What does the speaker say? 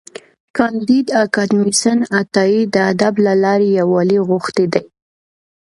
کانديد اکاډميسن عطایي د ادب له لارې یووالی غوښتی دی.